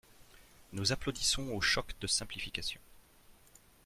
Nous applaudissons au choc de simplification